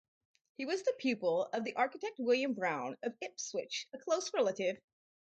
He was the pupil of the architect William Brown of Ipswich, a close relative.